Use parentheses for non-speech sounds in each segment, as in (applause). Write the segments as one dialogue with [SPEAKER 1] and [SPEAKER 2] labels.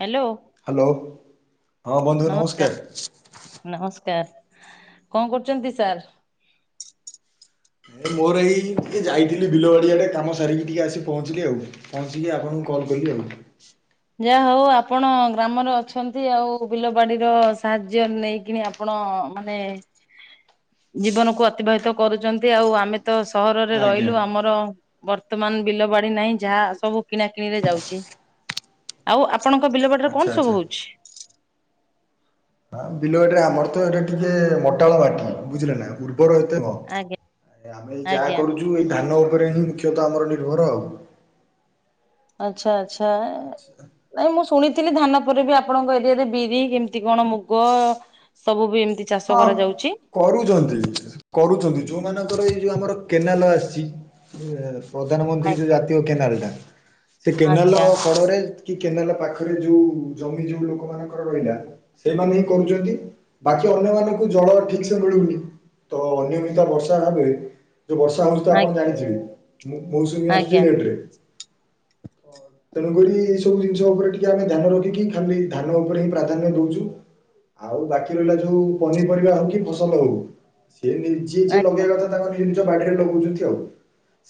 [SPEAKER 1] Hello.
[SPEAKER 2] Hello ହଁ ବନ୍ଧୁ ନମସ୍କାର।
[SPEAKER 1] ନମସ୍କାର କଣ କରୁଛନ୍ତି ସାର୍?
[SPEAKER 2] ମୋର ଏଇ ଟିକେ ଯାଇଥିଲି ବିଲବାଡ଼ିଆଡ଼େ କାମ ସାରିକି ଟିକେ ଆସି ପହଞ୍ଚିଲି ଆଉ। ପହଞ୍ଚିକି ଆପଣଙ୍କୁ କଲ୍ କଲି ଆଉ।
[SPEAKER 1] ଯାହା ହଉ ଆପଣ ଗ୍ରାମରେ ଅଛନ୍ତି ଆଉ ବିଲ ବାଡିର ସାହାଯ୍ୟ ନେଇକିନି ଆପଣ ମାନେ ଜୀବନକୁ ଅତିବାହିତ କରୁଛନ୍ତି ଆଉ ଆମେ ତ ସହରରେ
[SPEAKER 2] ଆଜ୍ଞା
[SPEAKER 1] ରହିଲୁ ଆମର ବର୍ତ୍ତମାନ ବିଲ ବାଡି ନାହିଁ ଯାହା ସବୁ କିଣା କିିଣିରେ ଯାଉଛି ଆଉ ଆପଣଙ୍କ ବିଲ ବାଡ଼ିରେ
[SPEAKER 2] ଆଚ୍ଛା
[SPEAKER 1] କଣ
[SPEAKER 2] ଆଚ୍ଛା।
[SPEAKER 1] ସବୁ ହଉଛି?
[SPEAKER 2] ହଁ ବିଲ ବାଡିରେ ଆମର ତ ଏଟା ଟିକେ ମଟାଳ ମାଟି ବୁଝିଲେ ନା ର ଏତେ
[SPEAKER 1] ଆଜ୍ଞା
[SPEAKER 2] କଣ ଆମେ ଯାହା
[SPEAKER 1] ଆଜ୍ଞା
[SPEAKER 2] କରୁଛୁ ଏଇ ଧାନ ଉପରେ ହିଁ ମୁଖ୍ୟତଃ ଆମର ନିର୍ଭର ଆଉ।
[SPEAKER 1] ଆଚ୍ଛା ଆଚ୍ଛା
[SPEAKER 2] ଆଚ୍ଛା
[SPEAKER 1] ନାଇଁ ମୁଁ ଶୁଣିଥିଲି ଧାନ ପରେ ବି ଆପଣଙ୍କ ଏରିଆରେ ବିରି କେମିତି କଣ ମୁଗ ସବୁ ବି ଏମିତି ଚାଷ
[SPEAKER 2] ହଁ
[SPEAKER 1] କରାଯାଉଛି।
[SPEAKER 2] କରୁଛନ୍ତି କରୁଛନ୍ତି ଯେଉଁମାନଙ୍କର ଏଇ ଯେଉଁ ଆମର କେନାଲ ଆସିଛି ୟେ। ପ୍ରଧାନମନ୍ତ୍ରୀ ଯୋଉ
[SPEAKER 1] ଆଜ୍ଞା
[SPEAKER 2] ଜାତୀୟ କେନାଲଟା ସେଇ
[SPEAKER 1] ଆଚ୍ଛା
[SPEAKER 2] କେନାଲର କଡରେ କି କେନାଲ ପାଖରେ ଯୋଉ ଜମି ଯୋଉ ଲୋକମାନଙ୍କର ରହିଲା ସେମାନେ ହିଁ କରୁଛନ୍ତି। ତ ଅନ୍ୟ ମାନଙ୍କୁ ଜଳ ଠିକ ସେ ମିଳୁନି ତ ଅନିୟମିତା ବର୍ଷା ଭାବେ ଯୋଉ ବର୍ଷା ହେଉଛି ତ
[SPEAKER 1] ଆଜ୍ଞା।
[SPEAKER 2] ଆପଣ ଜାଣିଥିବେ ମୌ-ମୌସୁମୀ
[SPEAKER 1] ଆଜ୍ଞା
[SPEAKER 2] ଆସୁଛି ଲେଟ ରେ। ତେଣୁକରି ଏଇସବୁ ଜିନିଷ ଉପରେ ଟିକେ ଆମେ ଧ୍ୟାନ ରଖିକି ଖାଲି ଧାନ ଉପରେ ହି ପ୍ରାଧାନ୍ୟ ଦଉଛୁ ଆଉ ବାକି ରହିଲା ଯୋଉ ପନିପରିବା ହଉ କି ଫସଲ ହଉ ସିଏ ଯିଏ
[SPEAKER 1] ଆ
[SPEAKER 2] ଯିଏ ଲଗେଇବା କଥା ତାଙ୍କ ଜିନିଷ ବାଡିରେ ଲଗଉଛନ୍ତି ଆଉ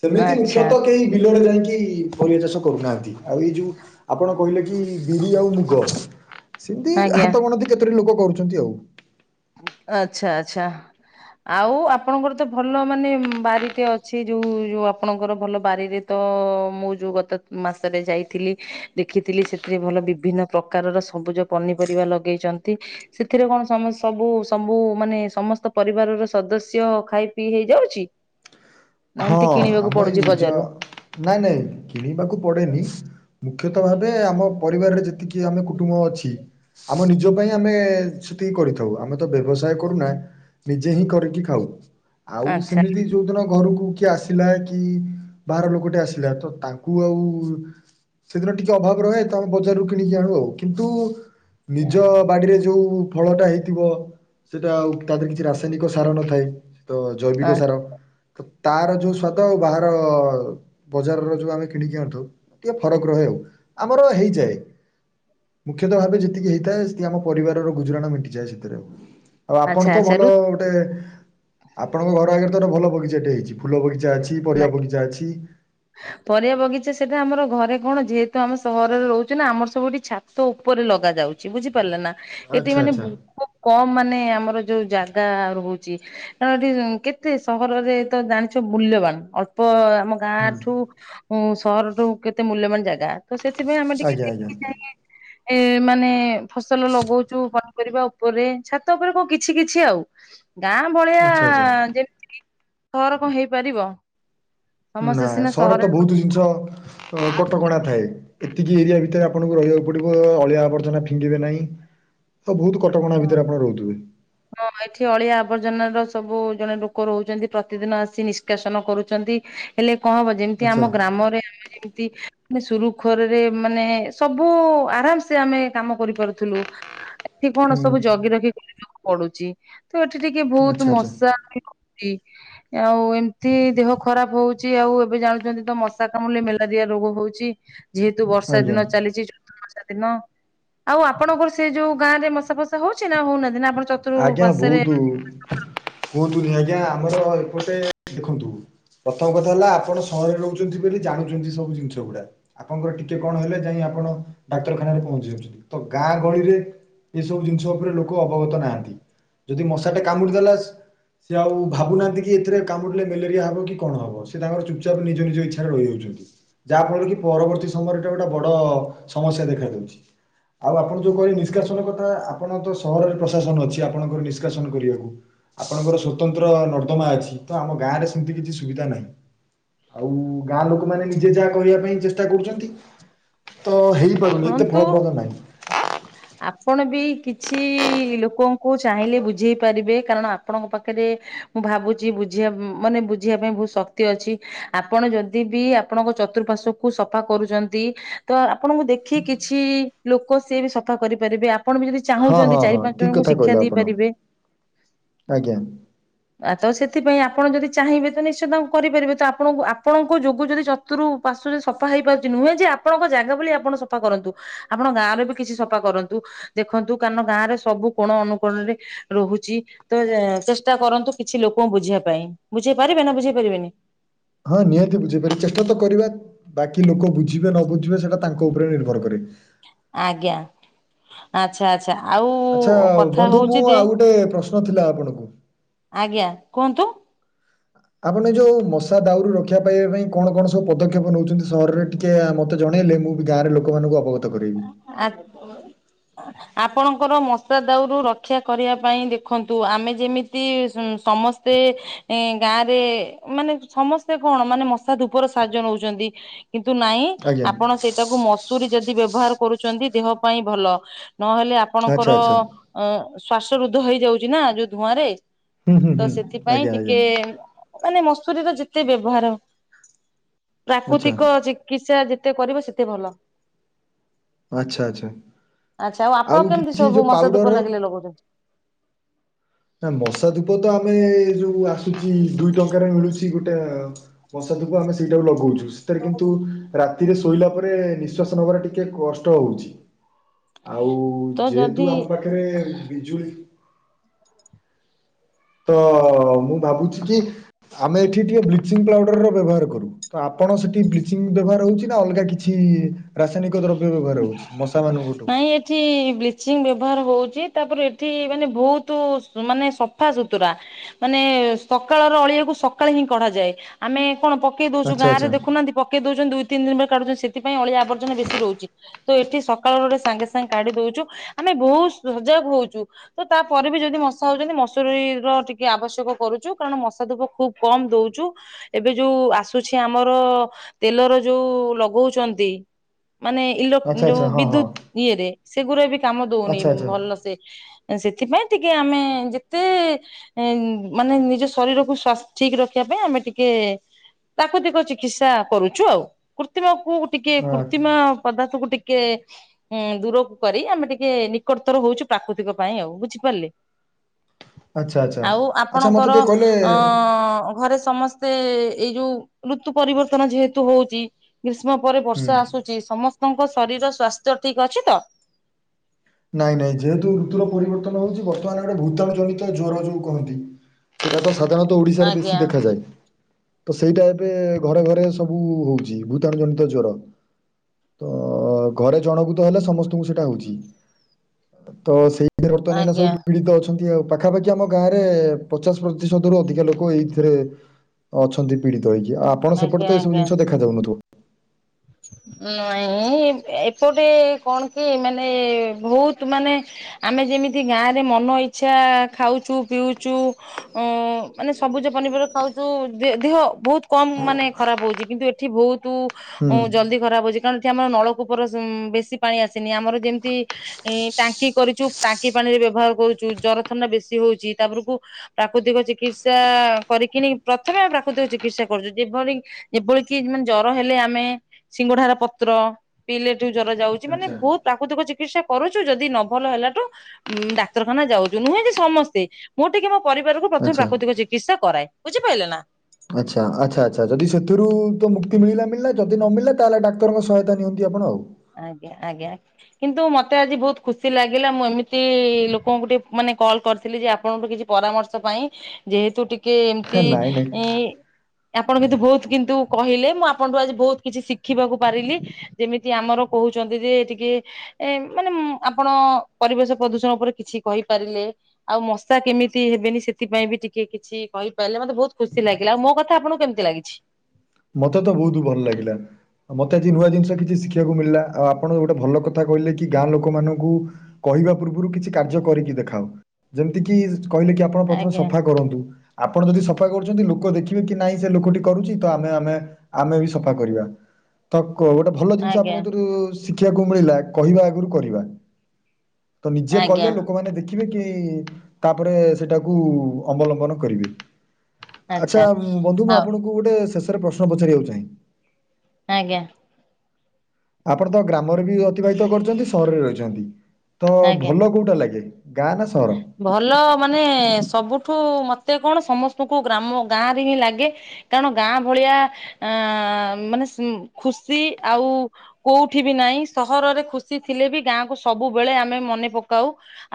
[SPEAKER 2] ସେମିତି
[SPEAKER 1] ଆଚ୍ଛା
[SPEAKER 2] ମୁଖ୍ୟତଃ କେହି ବିଲରେ ଯାଇଁକି ପରିବା ଚାଷ କରୁନାହାନ୍ତି ଆଉ ଏଇ ଯୋଉ ଆପଣ କହିଲେ କି ବିରି ଆଉ ମୁଗ। ସେମିତି
[SPEAKER 1] ଆଜ୍ଞା
[SPEAKER 2] ହାତ ଗଣତି କେତୋଟି ଲୋକ କରୁଛନ୍ତି ଆଉ।
[SPEAKER 1] ଆଚ୍ଛା ଆଚ୍ଛା। ଆଉ ଆପଣଙ୍କର ତ ଭଲ ମାନେ ବାରିଟେ ଅଛି ଯୋଉ ଯୋଉ ଆପଣଙ୍କର ଭଲ ବାରିରେ ତ ମୁଁ ଯୋଉ ଗତ ମାସରେ ଯାଇଥିଲି ଦେଖିଥିଲି ସେଥିରେ ଭଲ ବିଭିନ୍ନ ପ୍ରକାରର ସବୁଜ ପନିପରିବା ଲଗେଇଛନ୍ତି ସେଥିରେ କଣ ସମ ସବୁ ସବୁ ମାନେ ସମସ୍ତ ପରିବାରର ସଦସ୍ୟ ଖାଇ ପିଇ ହେଇଯାଉଛି? ନା
[SPEAKER 2] ହଁ
[SPEAKER 1] ଏମତି କିଣିବାକୁ
[SPEAKER 2] ଆମ ଏଇ
[SPEAKER 1] ପଡୁଛି
[SPEAKER 2] ନିଜ
[SPEAKER 1] ବଜାରରୁ।
[SPEAKER 2] ନାଇଁ ନାଇଁ କିଣିବାକୁ ପଡେନି ମୁଖ୍ୟତଃ ଭାବେ ଆମ ପରିବାରରେ ଯେତିକି ଯେ ଆମେ କୁଟୁମ୍ବ ଅଛି। ଆମ ନିଜ ପାଇଁ ଆମେ ସେତିକି କରିଥାଉ ଆମେ ତ ବ୍ୟବସାୟ କରୁନା। ନିଜେ ହିଁ କରିକି ଖାଉ ଆଉ
[SPEAKER 1] ଆଚ୍ଛା
[SPEAKER 2] ସେମିତି ଯୋଉଦିନ ଘରୁକୁ କିଏ ଆସିଲା କି ବାହାର ଲୋକଟେ ଆସିଲା ତ ତାଙ୍କୁ ଆଉ ସେଦିନ ଟିକେ ଅଭାବ ରହେ ତ ଆମେ ବଜାରରୁ କିଣିକି ଆଣୁ ଆଉ କିନ୍ତୁ ନିଜ
[SPEAKER 1] ଆଚ୍ଛା
[SPEAKER 2] ବାଡିରେ ଯୋଉ ଫଳଟା ହେଇଥିବ ସେଟା ଆଉ ତା ଦେହରେ କିଛି ରାସା ରାସାୟନିକ ସାର ନଥାଏ ତ ଜୈବିକ ସାର। ତ ତାର ଯୋଉ ସ୍ଵାଦ ଆଉ ବାହାର ବଜାରର ଯଉ ଆମେ କିଣିକି ଆଣିଥାଉ ଟିକେ ଫରକ ରହେ ଆଉ ଆମର ହେଇଯାଏ। ମୁଖ୍ୟତଃ ଭାବେ ଯେତିକି ହେଇଥାଏ ସେତିକି ଆମ ପରିବାରର ଗୁଜୁରାଣ ମେଣ୍ଟିଯାଏ ସେଥିରେ ଆଉ। ଆଉ ଆପଣ
[SPEAKER 1] ଆଚ୍ଛା
[SPEAKER 2] ତ
[SPEAKER 1] ଆଚ୍ଛା
[SPEAKER 2] ଭଲ
[SPEAKER 1] ରୁ
[SPEAKER 2] ଗୋଟେ ଆପଣଙ୍କ ଘର ଆଗରେ ତ ଗୋଟେ ଭଲ ବଗିଚାଟେ ହେଇଛି। ଫୁଲ ବଗିଚା ଅଛି ପରିବା ବଗିଚା ଅଛି।
[SPEAKER 1] ପରିବା ବଗିଚା ସେଇଟା ଆମର ଘରେ କଣ ଯେହେତୁ ଆମ ସହରରେ ରହୁଛୁ ନା ଆମର ସବୁଠି ଛା ତ ଉପରେ ଲଗା ଯାଉଛି ବୁଝିପାରିଲେ ନା ଏଠି
[SPEAKER 2] ଆଚ୍ଛା
[SPEAKER 1] ମାନେ
[SPEAKER 2] ଆଚ୍ଛା
[SPEAKER 1] କମ ମାନେ ଆମର ଯୋଉ ଜାଗା ରହୁଛି। କାରଣ ଏଠି କେତେ ସହରରେ ତ ଜାଣିଛ ମୂଲ୍ୟବାନ ଅଳ୍ପ ଆମ
[SPEAKER 2] ହୁଁ
[SPEAKER 1] ଗାଁଠୁ ସହରଠୁ କେତେ ମୂଲ୍ୟବାନ ଜାଗା ତ ସେଥିପାଇଁ ଆମେ ଟିକେ
[SPEAKER 2] ଆଜ୍ଞା ଆଜ୍ଞା
[SPEAKER 1] ଦେଖିଚାହିଁକି ଏ ମାନେ ଫସଲ ଲଗଉଛୁ ପନିପରିବା ଉପରେ ଛାତ ଉପରେ କୋଉ କିଛି କିଛି ଆଉ। ଗାଁ ଭଳିଆ
[SPEAKER 2] ଆଚ୍ଛା ଆଚ୍ଛା
[SPEAKER 1] ଯେମିତି କି ସହର କଣ ହେଇପାରିବ। ସମସ୍ତେ
[SPEAKER 2] ନା
[SPEAKER 1] ସିନା
[SPEAKER 2] ସହରେ ତ
[SPEAKER 1] ସହର
[SPEAKER 2] ବହୁତ ଜିନିଷ କଟକଣା ଥାଏ। ଏତିକି ଏରିଆ ଭିତରେ ଆପଣଙ୍କୁ ରହିବାକୁ ପଡିବ ଅଳିଆ ଆବର୍ଜନା ଫିଙ୍ଗିବେ ନାହିଁ। ବହୁତ କଟକଣା ଭିତରେ ଆପଣ ରହୁଥିବେ।
[SPEAKER 1] ହଁ ଏଠି ଅଳିଆ ଆବର୍ଜନା ର ସବୁ ଜଣେ ଲୋକ ରହୁଛନ୍ତି ପ୍ରତିଦିନ ଆସି ନିଷ୍କାସନ କରୁଛନ୍ତି। ହେଲେ କଣ ହବ ଯେମିତି
[SPEAKER 2] ଆଚ୍ଛା
[SPEAKER 1] ଆମ ଗ୍ରାମରେ ଆମେ ଯେମିତି ମାନେ ସୁରୁଖୁରରେ ମାନେ ସବୁ ଆରାମ ସେ ଆମେ କାମ କରିପାରୁଥିଲୁ। ଏଠି କଣ ସବୁ
[SPEAKER 2] ହୁଁ
[SPEAKER 1] ଜଗି ରଖି କରିବାକୁ ପଡୁଛି ତ ଏଠି ଟିକେ ବହୁତ
[SPEAKER 2] ଆଚ୍ଛା ଆଚ୍ଛା
[SPEAKER 1] ମଶା ବି ହଉଛି। ଆଉ ଏମିତି ଦେହ ଖରାପ ହଉଛି ଆଉ ଏବେ ଜାଣୁଛନ୍ତି ତ ମଶା କାମୁଡ଼ିଲେ ମେଲାରିଆ ରୋଗ ହଉଛି। ଯେହେତୁ ବର୍ଷା
[SPEAKER 2] ଆଜ୍ଞା
[SPEAKER 1] ଦିନ ଚାଲିଛି ଚତୁଃର ମାସିଆ ଦିନ ଆଉ ଆପଣଙ୍କର ସେ ଯୋଉ ଗାଁ ରେ ମଶା ଫସା ହଉଛି ନା ହଉନାହାନ୍ତି ନା ଆପଣ ଚ
[SPEAKER 2] ଆଜ୍ଞା ବହୁତୁ, କୁହନ୍ତୁନି ଆଜ୍ଞା ଆମର ଏପଟେ ଦେଖନ୍ତୁ ପ୍ରଥମ କଥା ହେଲା ଆପଣ ସହରରେ ରହୁଛନ୍ତି ବୋଲି ଜାଣୁଛନ୍ତି ସବୁ ଜିନିଷ ଗୁଡା। ଆପଣଙ୍କ ଟିକେ କଣ ହେଲେ ଯାଇ ଆପଣ ଡାକ୍ତରଖାନାରେ ପହଞ୍ଚି ଯାଉଛନ୍ତି ତ ଗାଁ ଗହଳିରେ ଏସବୁ ଜିନିଷ ଉପରେ ଲୋକ ଅବଗତ ନାହାନ୍ତି ଯଦି ମଶାଟେ କାମୁଡି ଦେଲା ସେ ଆଉ ଭାବୁନାହାନ୍ତି କି ଏଥିରେ କାମୁଡ଼ିଲେ ମ୍ୟାଲେରିଆ ହେବ କି କଣ ହେବ ସେ ତାଙ୍କର ଚୁପଚାପ ନିଜ ନିଜ ଇଚ୍ଛାରେ ରହିଯାଉଛନ୍ତି। ଯାହାଫଳରେ କି ପରବର୍ତ୍ତୀ ସମୟରେ ଟେ ଗୋଟେ ବଡ ସମସ୍ୟା ଦେଖାଯାଉଛି। ଆଉ ଆପଣ ଯୋଉ କହିବେ ନିଷ୍କାସନ କଥା ଆପଣ ତ ସହରରେ ପ୍ରଶାସନ ଅଛି। ଆପଣଙ୍କର ନିଷ୍କାସନ କରିବାକୁ। ଆପଣଙ୍କର ସ୍ୱତନ୍ତ୍ର ନର୍ଦ୍ଦମା ଅଛି ତ ଆମ ଗାଁରେ ସେମିତି କିଛି ସୁବିଧା ନାହିଁ। ଆଉ ଗାଁ ଲୋକମାନେ ନିଜେ ଯାହା କହିବା ପାଇଁ ଚେଷ୍ଟା କରୁଛନ୍ତି ତ ହେଇ
[SPEAKER 1] ପରନ୍ତୁ ଆପଣ ବି କିଛି ଲୋକଙ୍କୁ ଚାହିଁଲେ ବୁଝେଇ ପାରିବେ କାରଣ ଆପଣଙ୍କ ପାଖରେ ମୁଁ ଭାବୁଛି ବୁଝିବା ମାନେ ବୁଝିବା ପାଇଁ ବହୁତ ଶକ୍ତି ଅଛି ଆପଣ ଯଦି ବି ଆପଣଙ୍କ ଚତୁଃପାର୍ଶ୍ୱ ସଫା କରୁଛନ୍ତି ତ ଆପଣଙ୍କୁ ଦେଖି କିଛି ଲୋକ ସି ବି ସଫା କରିପାରିବେ ଆ ଆପଣ ବି ଯଦି
[SPEAKER 2] ହଁ
[SPEAKER 1] ଚାହୁଁଛନ୍ତି
[SPEAKER 2] ହଁ
[SPEAKER 1] ଚାରି
[SPEAKER 2] ହଁ
[SPEAKER 1] ପାଞ୍ଚ
[SPEAKER 2] ଠିକ
[SPEAKER 1] ଜଣଙ୍କୁ
[SPEAKER 2] କଥା
[SPEAKER 1] ଶିକ୍ଷା
[SPEAKER 2] କହିଲେ ଆପଣ
[SPEAKER 1] ଦେଇପାରିବେ।
[SPEAKER 2] ଆଜ୍ଞା
[SPEAKER 1] ଆ ତ ସେଥିପାଇଁ ଆପଣ ଯଦି ଚାହିଁବେ ତ ନିଶ୍ଚିତ ଆ କରିପାରିବେ ତ ଆପଣ ଆପଣଙ୍କ ଯୋଗୁ ଯଦି ତରୁ ପାଶୁରେ ସଫା ହେଇପାରୁଛି ନୁହେଁ ଯେ ଆପଣଙ୍କ ଜାଗା ବୋଲି ଆପଣ ସଫା କରନ୍ତୁ ଆପଣ ଗାଁରେ ବି କିଛି ସଫା କରନ୍ତୁ ଦେଖନ୍ତୁ କାରଣ ଗାଁ ରେ ସବୁ କୋଣ ଅନୁକୋଣରେ ରହୁଛି ତ ଚେଷ୍ଟା କରନ୍ତୁ କିଛି ଲୋକଙ୍କୁ ବୁଝିବା ପାଇଁ ବୁଝେଇ ପାରିବେ ନା ବୁଝେଇ ପାରିବେନି?
[SPEAKER 2] ହଁ ନିହାତି ବୁଝେଇପାରିବି ଚେଷ୍ଟା ତ କରିବା ବାକି କି ଲୋକ ବୁଝିବେ ନ ବୁଝିବେ ସେଇଟା ତାଙ୍କ ଉପରେ ନିର୍ଭର କରେ।
[SPEAKER 1] ଆଜ୍ଞା। ଆଚ୍ଛା ଆଚ୍ଛା ଆଉ କଥା ହଉଚି ଯେ
[SPEAKER 2] ସେଇଆ ତ। ନଥିଲା ଆପଣଙ୍କୁ।
[SPEAKER 1] ଆଜ୍ଞା କୁହନ୍ତୁ?
[SPEAKER 2] ଆପଣ ଏ ଯୋଉ ମଶା ଦାଉରୁ ରକ୍ଷା ପାଇବା ପାଇଁ କଣ କଣ ସବୁ ପଦକ୍ଷେପ ନେଉଛନ୍ତି? ସହରରେ ଟିକେ ମତେ ଜଣେଇଲେ ମୁଁ ବି ଗାଁରେ ଲୋକମାନଙ୍କୁ ଅବଗତ କରାଇବି।
[SPEAKER 1] ଆ ଆପଣଙ୍କର ମଶା ଦାଉରୁ ରକ୍ଷା କରିବା ପାଇଁ ଦେଖନ୍ତୁ ଆମେ ଯେମିତି ସମ ମତେ ଗାଁରେ ମାନେ ସମସ୍ତେ କଣ ମାନେ ମଶା ଧୂପର ସାହାଯ୍ୟ ନଉଛନ୍ତି। କିନ୍ତୁ ନାଇଁ
[SPEAKER 2] ଆଜ୍ଞା
[SPEAKER 1] ଆପଣ ସେଇଟାକୁ ମସୁରୀ ଯଦି ବ୍ୟବହାର କରୁଛନ୍ତି ଦେହ ପାଇଁ ଭଲ ନହେଲେ
[SPEAKER 2] ଆଚ୍ଛା
[SPEAKER 1] ଆପଣଙ୍କର
[SPEAKER 2] ଆଚ୍ଛା
[SPEAKER 1] ଅ ଶ୍ଵାସ ରୁଦ୍ଧ ହେଇଯାଉଛି ନା ଯୋଉ ଧୂଆଁ ରେ
[SPEAKER 2] ହୁଁ ହୁଁ
[SPEAKER 1] ତ
[SPEAKER 2] ହୁଁ
[SPEAKER 1] ସେଥିପାଇଁ
[SPEAKER 2] ଆଜ୍ଞା ଆଜ୍ଞା
[SPEAKER 1] ଟିକେ ମାନେ ମସୁରୀର ଯେତେ ବ୍ୟବହାର
[SPEAKER 2] ଆଚ୍ଛା
[SPEAKER 1] ପ୍ରାକୃତିକ ଜି କିସା ଯେତେ କରିବ ସେତେ ଭଲ।
[SPEAKER 2] ଆଛା ଆଚ୍ଛା।
[SPEAKER 1] ଆଚ୍ଛା। ଆଉ ଆପଣ କେମିତି
[SPEAKER 2] କିଛି
[SPEAKER 1] ସବୁ
[SPEAKER 2] ଯୋଉ
[SPEAKER 1] ମା ଧୂପ
[SPEAKER 2] ପାଉଡର
[SPEAKER 1] ଲାଗିଲେ ଲଗଉଛନ୍ତି?
[SPEAKER 2] ନା ବର୍ଷା ଧୂପ ତ ଆମେ ଯୋଉ ଆସୁଚି ଦୁଇ ଟଙ୍କାରେ ମିଳୁଛି ଗୋଟେ ଟେ ମଶା ଧୂପ ଆମେ ସେଇଟା ଲଗାଉଛୁ ସେଥିରେ କିନ୍ତୁ ରାତିରେ ଶୋଇଲା ପରେ ନିଶ୍ଵାସ ନବାର ଟିକେ କଷ୍ଟ ହଉଛି। ଆଉ
[SPEAKER 1] ତ
[SPEAKER 2] ଯେହେତୁ
[SPEAKER 1] ଯଦି
[SPEAKER 2] ଆମ ପାଖରେ ବିଜୁଳି ତ ମୁଁ ଭାବୁଛି କି ଆମେ ଏଠି ଟିକେ ବ୍ଲିଚିଂ ପାଉଡର ର ବ୍ୟବହାର କରୁ ତ ଆପଣ ସେଠି ବ୍ଲିଚିଂ ବ୍ୟବହାର ହଉଛି ନା ଅଲଗା କିଛି? ରାସାୟନିକ ଦ୍ରବ୍ୟ ବ୍ୟବହାର ହଉଛି ମଶା ମାନଙ୍କଠୁ
[SPEAKER 1] ନାଇଁ ଏଠି ବ୍ଲିଚିଂ ବ୍ୟବହାର ହଉଛି ତାପରେ ଏଠି ମାନେ ବହୁତ ମାନେ ସଫା ସୁତୁରା ମାନେ ସକାଳର ଅଳିଆକୁ ସକାଳେ ହିଁ କଢା ଯାଏ ଆମେ କଣ ପ ପକେଇ ଦେଉଛୁ
[SPEAKER 2] ଆଚ୍ଛା
[SPEAKER 1] ଗାଁରେ
[SPEAKER 2] ଆଚ୍ଛା
[SPEAKER 1] ଦେଖୁହାନ୍ତି ପକେଇଉଛନ୍ତି ଦୁଇ ତିନି ଦିନି ପରେ କାଢୁଛନ୍ତି ସେଥିପାଇଁ ଅଳିଆ ଆବର୍ଜନା ବେଶୀ ରହୁଛି। ତ ଏଠି ସକାଳରରେ ସାଙ୍ଗେ ସାଙ୍ଗେ କାଢି ଦଉଛୁ, ଆମେ ବହୁତ ସଜାଗ ହଉଛୁ। ତ ତାପରେ ବି ଯଦି ମଶା ହଉଛନ୍ତି ମଶୁରୀ ର ଟିକେ ଆବଶ୍ୟକ କରୁଛୁ କାରଣ ମଶା ଧୁପ ଖୁବ କମ ଦଉଛୁ। ଏବେ ଯୋଉ ଆସୁଛି ଆମର ତେଲର ଯୋଉ ଲଗଉଚନ୍ତି ମାନେ ଇଲୋକ୍
[SPEAKER 2] ଆଚ୍ଛା
[SPEAKER 1] ଯୋଉ
[SPEAKER 2] ଆଚ୍ଛା ହଁ ହଁ
[SPEAKER 1] ବିଦ୍ୟୁତ ଇଏରେ ସେଗୁଡା ବି କାମ ଦଉନି
[SPEAKER 2] ଆଚ୍ଛା ଆଚ୍ଛା
[SPEAKER 1] ଭଲ ସେ ସେଥିପାଇଁ ଟିକେ ଆମେ ଯେତେ ଏ ମାନେ ନିଜ ଶରୀରକୁ ସ୍ୱାସ୍ଥ ଠିକ ରଖିବା ପାଇଁ ଆମେ ଟିକେ ପ୍ରାକୁତିିକ ଚିକିତ୍ସା କରୁଛୁ ଆଉ, କୃତ୍ରିମକୁ ଟିକେ
[SPEAKER 2] ହଁ
[SPEAKER 1] କୃ୍ତିମା ପଦାର୍ଥକୁ ଟିକେ ହୁଁ ଦୂରକୁ କରି ଆମେ ଟିକେ ନିକଟତର ହଉଛୁ ପ୍ରାକୃତିକ ପାଇଁ ଆଉ ବୁଝିପାରିଲେ?
[SPEAKER 2] (inaudible) ଆଚ୍ଛା
[SPEAKER 1] ଆଉ
[SPEAKER 2] ଆଚ୍ଛା ମତେ
[SPEAKER 1] ଆପଣଙ୍କର
[SPEAKER 2] ଟିକେ କହିଲେ
[SPEAKER 1] ଅ ଘରେ ସମସ୍ତେ ସେ ଏଇ ଯୋଉ ଋତୁ ପରିବର୍ତ୍ତନ ଯେହେତୁ ହଉଛି, ଗ୍ରୀଷ୍ମ ପରେ
[SPEAKER 2] ହୁଁ
[SPEAKER 1] ବର୍ଷା ଆସୁଛି ସମସ୍ତ ସମସ୍ତ ଙ୍କ ଶରୀରର ସ୍ୱାସ୍ଥ୍ୟ ଠିକ୍ ଅଛି ତ?
[SPEAKER 2] ନାଇଁ ନାଇଁ ଯେହେତୁ ଋତୁର ପରିବର୍ତ୍ତନ ହଉଛି ବର୍ତ୍ତମାନ ଗୋଟେ ଭୂତାଣୁ ଜନିତ ଜ୍ଵର ଯୋଉ କହନ୍ତି। ସେଟା ତ ସାଧାରଣତଃ ଓଡିଶାରେ ବେଶୀ
[SPEAKER 1] ଆଜ୍ଞା
[SPEAKER 2] ଦେଖାଯାଏ। ତ ସେଇଟା ଏବେ ଘରେ ଘରେ ସବୁ ହଉଛି, ଭୂତାଣୁ ଜନିତ ଜ୍ଵର। ତ ଘରେ ଜଣକୁତ ହେଲେ ସମସ୍ତଙ୍କୁ ସେଇଟା ହଉଛି। ତ ସେଇଥିରେ ବର୍ତ୍ତମାନ ଏ ନା
[SPEAKER 1] ଆଜ୍ଞା
[SPEAKER 2] ସବୁ ପୀଡିତ ଅଛନ୍ତି ଆଉ। ପାଖାପାଖି ଆମ ଗାଁ ରେ ପଚାଶ ପ୍ରତିଶତ ରୁ ଅଧିକ ଲୋକ ଏଇଥିରେ ଅଛନ୍ତି ପୀଡିତ ହେଇକି, ଆପଣ ସେପଟେ
[SPEAKER 1] ଆଜ୍ଞା
[SPEAKER 2] ତ ଏଇସବୁ
[SPEAKER 1] ଆଜ୍ଞା।
[SPEAKER 2] ଜିନିଷ ଦେଖା ଯାଉନଥିବ?
[SPEAKER 1] ନାଇଁ ଏପଟେ କଣ କି ମାନେ ବହୁତ ମାନେ ଆମେ ଯେମିତି ଗାଁରେ ମନ ଇଚ୍ଛା ଖାଉଛୁ, ପିଉଛୁ ଅ ମାନେ ସବୁଜ ପନିରିବା ଖାଉଛୁ ଦେହ ବହୁତ କମ ମାନେ ଖରାପ ହଉଛି, କିନ୍ତୁ ଏ ଏଠି ବହୁତୁ
[SPEAKER 2] ହୁଁ
[SPEAKER 1] ଜଲଦି ଖରାପ ଅଛି। କାରଣ ଏଠି ଆମର ନଳକୂପର ସ ବେଶୀ ପାଣି ଆସିନି ଆମର ଯେମିତି ଟାଙ୍କି କରିଛୁ। ଟାଙ୍କି ପାଣି ରେ ବ୍ୟବହାର କରୁଛୁ ଜର ଥଣ୍ଡ ବେଶୀ ହଉଛି, ତାପରକୁ ପ୍ରାକୃତିକ ଚିକିତ୍ସା କରିକିନି ପ୍ରଥମେ ପ୍ରାକୃତିକ ଚିକିତ୍ସା କରୁଛୁ, ଯେପରି ଯେଭଳି କି ମାନେ ଜର ହେଲେ ଆମେ ସିଙ୍ଗଢାର ପତ୍ର ପିିଲେଠୁ ଜର ଯାଉଛି। ମାନେ
[SPEAKER 2] ଆଚ୍ଛା।
[SPEAKER 1] ବହୁତ ପ୍ରା ପ୍ରାକୃତିକ ଚିକିତ୍ସା କରୁଛୁ ଯଦି ନ ଭଲ ହେଲାଠୁ ଉଁ ଡାକ୍ତରଖାନା ଯାଉଛୁ ନୁହେଁ ଯେ ସମସ୍ତେ ମୋର ଟିକେ ମୋ ପରିବାରକୁ ପ୍ରଥମେ
[SPEAKER 2] ଆଚ୍ଛା
[SPEAKER 1] ପ୍ରାକୃତିକ ଚିକିତ୍ସା କରାଏ, ବୁଝିପାଇଲେ ନା?
[SPEAKER 2] ଆଚ୍ଛା ଆଚ୍ଛା ଆଚ୍ଛା ଯଦି ସେଥିରୁ ତ ମୁକ୍ତି ମିଳିଲା ମିଳିଲା ଯଦି ନମିଳିଲା ତାହେଲେ ଡାକ୍ତରଙ୍କ ସହାୟତା ନିଅନ୍ତି ଆପଣ ଆଉ।
[SPEAKER 1] ଆଂଜ୍ଞା, ଆଂଜ୍ଞା କିନ୍ତୁ ମତେ ଆଜି ବହୁତ ଖୁସି ଲାଗିଲା ମୁଁ ଏମିତି ଲୋକଙ୍କୁ ଟିକେ ମାନେ କଲ୍ କରିଥିଲି ଯେ ଆପଣଙ୍କଠୁ କିଛି ପରାମର୍ଶ ପାଇଁ ଯେହେତୁ ଟିକେ
[SPEAKER 2] ହେ
[SPEAKER 1] ଏମତି
[SPEAKER 2] ନାଇଁ ନାଇଁ
[SPEAKER 1] ଇଁ ଆପଣ କିନ୍ତୁ ବହୁତ କିନ୍ତୁ କହିଲେ, ମୁଁ ଆପଣଠୁ ଆଜି ବହୁତ କିଛି ଶିଖିବାକୁ ପାରିଲି, ଯେମିତି ଯେ ଆମର କହୁଛନ୍ତି ଯେ ଟିକେ ଏ ମାନେ ମ୍ ଆପଣ ପରିବେଶ ପ୍ରଦୂଷଣ ଉପରେ କିଛି କହିପାରିଲେ। ଆଉ ମଶା କେମିତି ହେବେନି ସେଥିପାଇଁ ବି ଟିକେ କିଛି କହିପାରିଲେ ମତେ ବହୁତ ଖୁସି ଲାଗିଲା, ଆଉ ମୋ କଥା ଆପଣଙ୍କୁ କେମ୍ତି ଲାଗିଛି?
[SPEAKER 2] ମତେ ତ ବହୁତ ଭଲ ଲାଗିଲା। ମତେ ଆଜି ନୂଆ ଜିନିଷ କିଛି ଶିଖିବାକୁ ମିଳିଲା, ଆଉ ଆପଣ ଗୋଟେ ଭଲ କଥା କହିଲେ କି ଗାଁ ଲୋକମାନଙ୍କୁ କହିବା ପୂର୍ବରୁ କିଛି କାର୍ଯ୍ୟ କରିକି ଦେଖାଅ, ଯେମିତି କିି କହିଲେ କି ଆପ ଆପଣ ପ୍ରଥମେ
[SPEAKER 1] ଆଜ୍ଞା
[SPEAKER 2] ସଫା କରନ୍ତୁ, ଆପଣ ଯଦି ସଫା କରୁଛନ୍ତି ଲୋକ ଦେଖିବେ କି ନାଇଁ ସେ ଲୋକଟି କରୁଛି ତ ଆମେ ଆମେ ବି ସଫା କରିବା, ତ କ ଗୋଟେ ଭଲ ଜିନିଷ
[SPEAKER 1] ଆଜ୍ଞା
[SPEAKER 2] ଆପଣଙ୍କତରୁ ଶିଖିଆକୁ ମିଳିଲା କହିବା ଆଗରୁ କରିବା ତ ନିଜେ
[SPEAKER 1] ଆଜ୍ଞା
[SPEAKER 2] କଲେ ଲୋକମାନେ ଦେଖି କିଇଁ କି ତାପରେ ସେଟାକୁ ଅବଲମ୍ବନ କରିବେ। ଆଚ୍ଛା, ବନ୍ଧୁ ମୁଁ
[SPEAKER 1] ଆଉ
[SPEAKER 2] ଆପଣଙ୍କୁ ଗୋଟେ ଶେଷରେ ପ୍ରଶ୍ନ ପଚାରିବାକୁ ଚାହେଁ?
[SPEAKER 1] ଆଜ୍ଞା।
[SPEAKER 2] ଆପଣ ତ ଗ୍ରାମରେ ବି ଅତିବାହିତ କରିଛନ୍ତି ସହରରେ ରହିଛନ୍ତି ତ
[SPEAKER 1] ଆଜ୍ଞା।
[SPEAKER 2] ଭଲ କୋଉଟା ଲାଗେ? ଗାଁ ନା ସହର?
[SPEAKER 1] ଭଲ ମାନେ ସବୁଠୁ ମତେ କଣ ସମସ୍ତଙ୍କୁ ଗ୍ରାମ ଗାଁ ରେ ହିଁ ଲାଗେ। କାରଣ ଗାଁ ଭଳିଆ ଆ ମାନେ ସ ଖୁସି ଆଉ। କୋଉଠି ବି ନାଇଁ ସହରରେ ଖୁସି ଥିଲେ ବି ଗାଁକୁ ସବୁବେଳେ ଆମେ ମନେ ପକାଉ।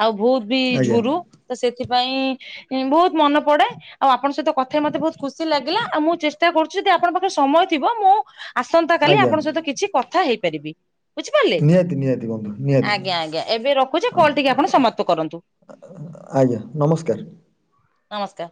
[SPEAKER 1] ଆଉ ଭୁଉତ୍ ବି
[SPEAKER 2] ଆଜ୍ଞା
[SPEAKER 1] ଝରୁ ତ ସେଥିପାଇଁ ବହୁତ୍ ମନେ ପଡେ। ଆଉ ଆପଣଙ୍କ ସହିତ କଥା ହେଇ ମତେ ବହୁତ୍ ଖୁସି ଲାଗିଲା ଆଉ ମୁଁ ଚେଷ୍ଟା କରୁଛି ଯଦି ଆପଣ ପାଖରେ ସମୟ ଥିବ ମୁଁ ଆସନ୍ତାକାଲି
[SPEAKER 2] ଆଜ୍ଞା
[SPEAKER 1] ଆପଣଙ୍କ ସହିତ କିଛି କଥା ହେଇପାରିବି? ବୁଝିପାରିଲେ
[SPEAKER 2] ନିହାତି ନିହାତି ବନ୍ଧୁ ନିହାତି
[SPEAKER 1] ଆଜ୍ଞା, ଆଜ୍ଞା, ଏବେ ରଖୁଛି କଲ୍ ଟିକି ଆପଣ ସମାପ୍ତ କରନ୍ତୁ।
[SPEAKER 2] ଆ ଆଜ୍ଞା, ନମସ୍କାର।
[SPEAKER 1] ନମସ୍କାର।